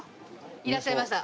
いらっしゃいました。